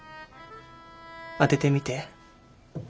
当ててみて。